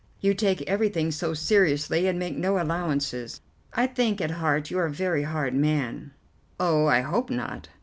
You take everything so seriously and make no allowances. I think at heart you're a very hard man." "Oh, I hope not."